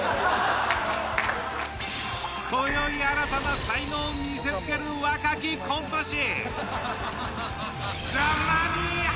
今宵新たな才能を見せつける若きコント師。